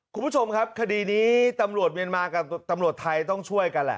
คุณผู้ชมครับคดีนี้ตำรวจเมียนมากับตำรวจไทยต้องช่วยกันแหละ